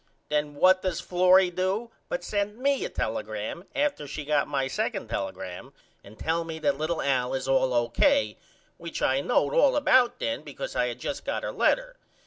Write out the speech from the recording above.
Then what does Florrie do but send me a telegram after she got my second telegram and tell me that little Al is all O.K., which I knowed all about then because I had just got her letter.